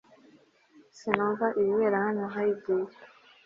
Sinumva ibibera hano Hybrid